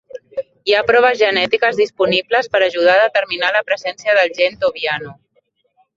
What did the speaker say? Hi ha proves genètiques disponibles per ajudar a determinar la presència del gen Tobiano.